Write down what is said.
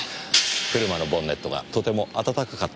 車のボンネットがとても温かかったものですからねえ。